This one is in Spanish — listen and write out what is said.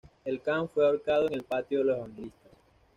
El can fue ahorcado en el patio de los Evangelistas.